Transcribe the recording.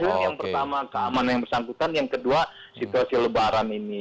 bukan alasan lebaran saja makanya itu yang pertama mana yang bersangkutan yang kedua situasi lebaran ini